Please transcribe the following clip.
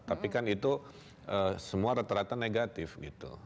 tapi kan itu semua rata rata negatif gitu